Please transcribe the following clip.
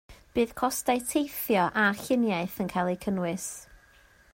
Bydd costau teithio a lluniaeth yn cael eu cynnwys